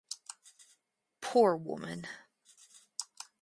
Poor woman.